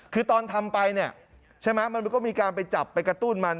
คือตอนทำไปเนี่ยใช่ไหมมันก็มีการไปจับไปกระตุ้นมัน